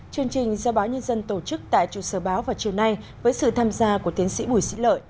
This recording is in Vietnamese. chương trình do báo nhân dân tổ chức tại trụ sở báo vào chiều nay với sự tham gia của tiến sĩ bùi sĩ lợi